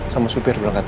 sama supir berangkatnya